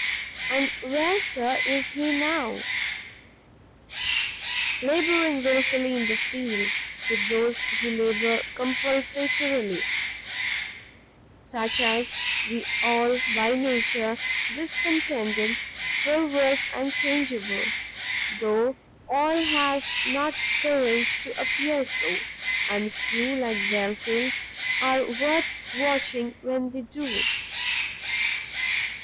"And where, Sir, is he now? "Labouring wilfully in the field, with those who labour compulsatorily; such are we all by nature, discontented, perverse, and changeable; though all have not courage to appear so, and few, like Belfield, are worth watching when they do.